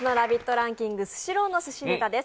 ランキング、スシローのすしネタです。